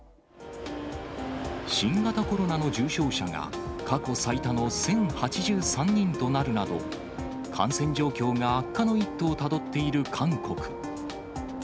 新型コロナの重症者が過去最多の１０８３人となるなど、感染状況が悪化の一途をたどっている韓国。